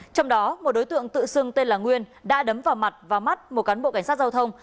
trong đó một đối tượng tự xưng tên là nguyên đã đấm vào mặt và mắt một cán bộ cảnh sát giao thông